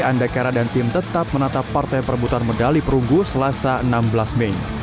andakara dan tim tetap menatap partai perbutan medali perunggu selasa enam belas mei